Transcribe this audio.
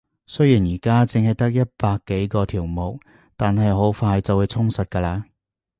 雖然而家淨係得一百幾個條目，但係好快就會充實㗎喇